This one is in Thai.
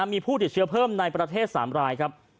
มีผู้ติดเชื้อเพิ่มในประเทศ๓รายครับ